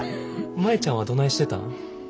舞ちゃんはどないしてたん？